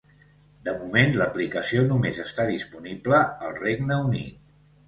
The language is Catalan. De moment, l'aplicació només està disponible al Regne Unit.